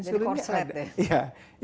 jadi korslet deh